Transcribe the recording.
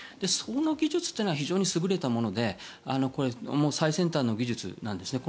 その技術は非常に優れたもので最先端の技術なんです。